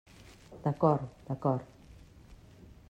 D'acord, d'acord.